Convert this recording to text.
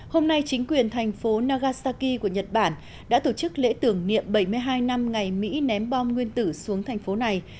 hôm nay chính quyền thành phố nagasaki của nhật bản đã tổ chức lễ tưởng niệm bảy mươi hai năm ngày mỹ ném bom nguyên tử xuống thành phố này